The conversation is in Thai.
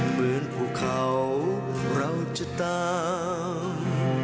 เหมือนภูเขาเราจะตาม